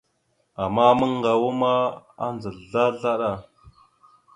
Ama maŋgawa ma andza slaslaɗa.